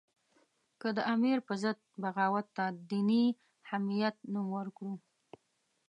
که د امیر په ضد بغاوت ته دیني حمیت نوم ورکړو.